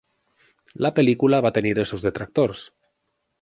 La pel·lícula va tenir els seus detractors.